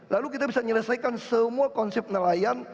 lalu kita bisa menyelesaikan semua konsep nelayan